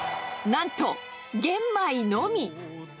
なんと、玄米のみ。